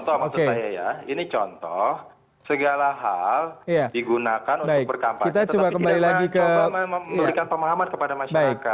ini contoh untuk saya ya ini contoh segala hal digunakan untuk berkampanye